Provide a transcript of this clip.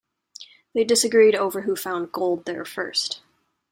They disagreed over who found gold there first.